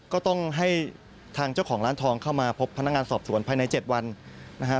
ก็ต้องให้ทางเจ้าของร้านทองเข้ามาพบพนักงานสอบสวนภายใน๗วันนะฮะ